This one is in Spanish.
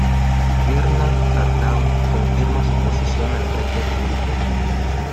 Bernard Arnault confirma su posición al frente del grupo.